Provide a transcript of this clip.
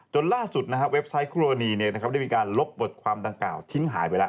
ล่าสุดเว็บไซต์คู่รณีได้มีการลบบทความดังกล่าวทิ้งหายไปแล้ว